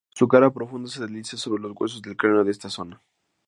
Su cara profunda se desliza sobre los huesos del cráneo de esta zona.